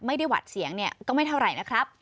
ไม่ได้วัดเสียงก็ไม่เท่าไรนะครับ